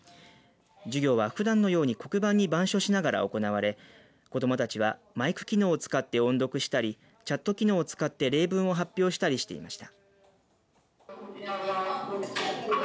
授業は、ふだんのように黒板に板書しながら行われ子どもたちはマイク機能を使って音読したりチャット機能を使って例文を発表したりしていました。